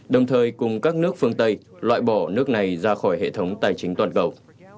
đồng thời cùng các nước phương tây loại bỏ nước này ra khỏi hệ thống tài chính toàn cầu